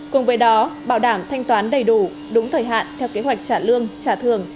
cùng với đó bảo đảm thanh toán đầy đủ đúng thời hạn theo kế hoạch trả lương trả thường